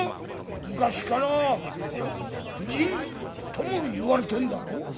昔から婦人とも言われてんだろ？」。